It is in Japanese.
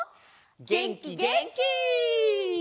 げんきげんき！